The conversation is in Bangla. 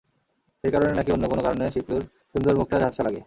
সেই কারণেই নাকি অন্য কোনো কারণে শিপলুর সুন্দর মুখটা ঝাপসা লাগে।